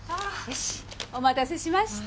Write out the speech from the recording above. お待たせしました。